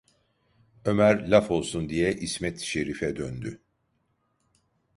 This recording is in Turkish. Ömer laf olsun diye İsmet Şerife döndü: